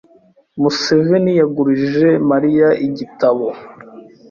Museveni yagurije Mariya igitabo.